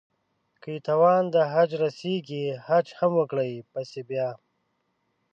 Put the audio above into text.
که يې توان د حج رسېږي حج هم وکړي پسې بيا